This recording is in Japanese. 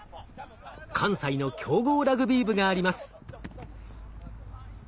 関西の強豪ラグビー部があります。